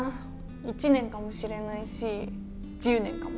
１年かもしれないし１０年かも。